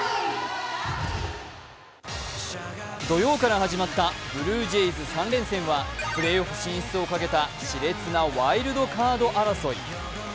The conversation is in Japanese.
土曜から始まったブルージェイズ３連戦はプレーオフ進出をかけたしれつなワイルドカード争い。